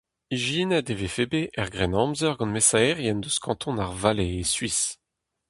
Ijinet e vefe bet er Grennamzer gant mesaerien eus kanton ar Valais e Suis.